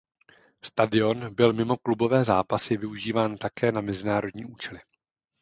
Stadion byl mimo klubové zápasy využíván také na mezinárodní účely.